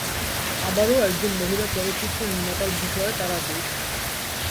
আবারো একজন মহিলা চলচ্চিত্র নির্মাতার বিষয়ে তারা বলছে।